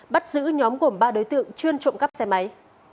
bắt giữ nhóm gồm ba đối tượng chuyên trộm cắp xe máy